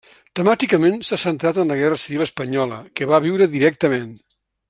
Temàticament, s'ha centrat en la Guerra Civil espanyola, que va viure directament.